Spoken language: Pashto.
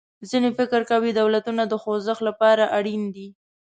ځینې فکر کوي دولتونه د خوځښت له پاره اړین دي.